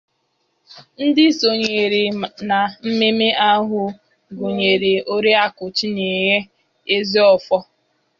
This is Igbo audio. Ndị sonyere na mmemme ahụ gụnyere Oriakụ Chinyere Ezeofor